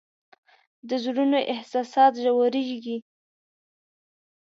د زړونو احساسات ژورېږي